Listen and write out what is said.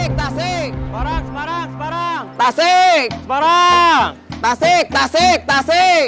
habis ngambil baju apa waktu itu